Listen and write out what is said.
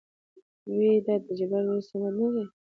ويېېې دا د جبار زوى صمد نه دى ؟